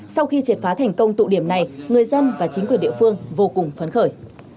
sau khi triệt phá thành công tụ điểm này người dân và chính quyền địa phương vô cùng phấn khởi